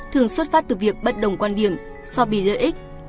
thường xuất phát từ việc bất đồng quan điểm so bì lợi ích